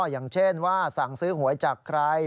อย่างเช่นว่าสั่งซื้อหวยจากใคร